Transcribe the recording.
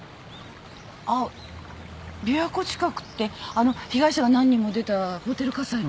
あっ琵琶湖近くってあの被害者が何人も出たホテル火災の。